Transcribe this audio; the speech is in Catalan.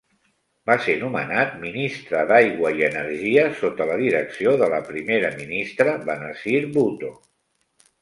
Va ser nomenat Ministre d'Aigua i Energia sota la direcció de la Primera Ministra Benazir Bhutto.